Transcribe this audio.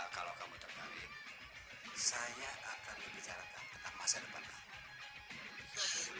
kalau kamu tertarik saya akan membicarakan tentang masa depan kamu